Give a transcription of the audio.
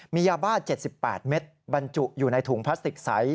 มียาบ้า๗๘เม็ดบรรจุอยู่ในถุงพลาสติกใส